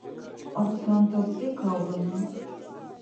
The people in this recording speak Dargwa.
Арцантас се кавлана?